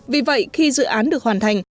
vì vậy khi dự án được hoàn thành